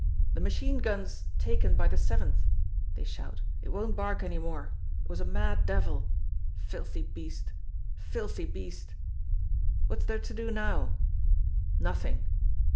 "The machine gun's taken by the 7th," they shout, "it won't bark any more. It was a mad devil filthy beast! Filthy beast!" "What's there to do now?" "Nothing."